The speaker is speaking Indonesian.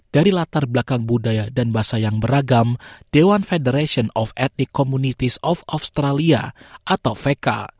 dari latar belakang budaya dan bahasa yang beragam dewan federation of etnic communityes of australia atau vk